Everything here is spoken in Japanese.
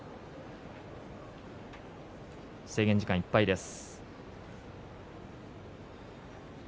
制限時間いっぱいです。